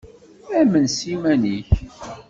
Amen s yiman-nnek.